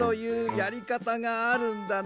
やりかたがあるんだな。